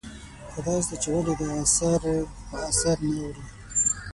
خدایزده چې ولې دا اثر په اثر نه اوړي ؟